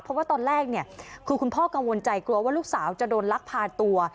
เพราะว่าตอนแรกเนี่ยคือคุณพ่อกังวลใจกลัวว่าลูกสาวจะโดนลักพาตัว